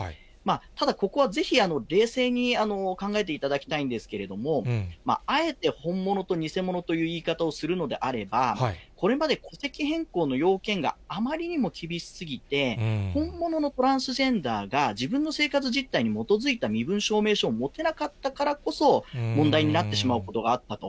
ただ、ここはぜひ冷静に考えていただきたいんですけれども、あえて本物と偽物という言い方をするのであれば、これまで戸籍変更の要件が、あまりにも厳しすぎて、本物のトランスジェンダーが自分の生活実態に基づいた身分証明書を持てなかったからこそ、問題になってしまうことがあったと。